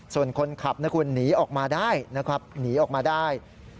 ส่วนคนขับนะคุณหนีออกมาได้นะครับหนีออกมาได้